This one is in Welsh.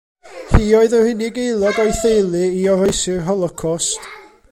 Hi oedd yr unig aelod o'i theulu i oroesi'r Holocost.